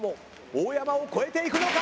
大山を超えていくのか？